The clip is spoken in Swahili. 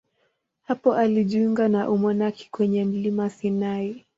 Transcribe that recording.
Hapo alijiunga na umonaki kwenye mlima Sinai.